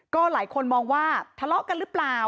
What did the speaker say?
ก็หลายคนมองว่าทะเลาะกันหรือเปล่า